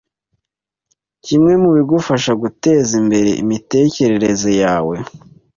kimwe mu bigufasha guteza imbere imitekerereze yawe